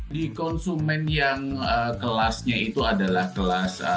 di konsumen yang kelasnya itu adalah kelas